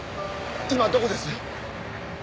今どこです？